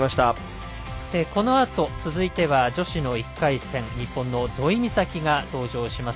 このあと、続いては女子の１回戦日本の土居美咲が登場します。